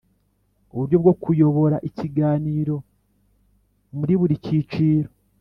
Uburyo bwo kuyobora i kiganiro muri buri cyiciro